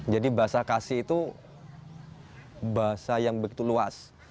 bahasa kasih itu bahasa yang begitu luas